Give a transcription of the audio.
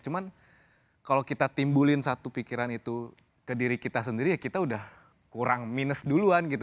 cuman kalau kita timbulin satu pikiran itu ke diri kita sendiri ya kita udah kurang minus duluan gitu